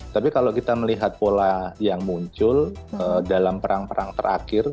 tapi kalau kita melihat pola yang muncul dalam perang perang terakhir